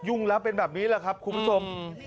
่งแล้วเป็นแบบนี้แหละครับคุณผู้ชม